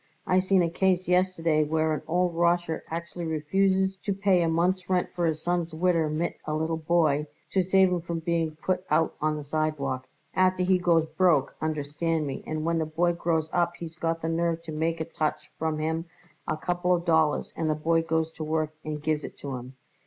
I seen a case yesterday where an old Rosher actually refuses to pay a month's rent for his son's widder mit a little boy, to save 'em being put out on the sidewalk. Afterward he goes broke, understand me, and when the boy grows up he's got the nerve to make a touch from him a couple of dollars and the boy goes to work and gives it to him.